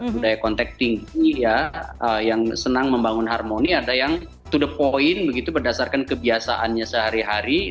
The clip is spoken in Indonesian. budaya kontek tinggi ya yang senang membangun harmoni ada yang to the point begitu berdasarkan kebiasaannya sehari hari